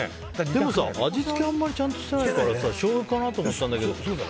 でも味付けあまりちゃんとしてないからしょうゆかなと思ったんだけど。